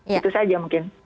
itu saja mungkin